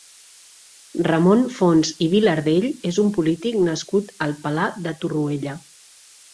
Ramon Fons i Vilardell és un polític nascut al Palà de Torroella.